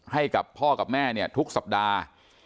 ให้กับพ่อกับแม่เนี่ยทุกสัปดาห์